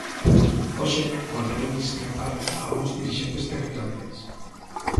Hoxe volveron discrepar algúns dirixentes territoriais.